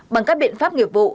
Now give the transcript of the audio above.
bằng các biện pháp nghiệp vụ